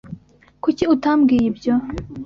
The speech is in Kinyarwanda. Kuki utambwiye ibyo?